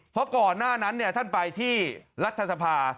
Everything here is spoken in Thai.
เพราะก่อนหน้านั้นท่านไปที่รัฐสภา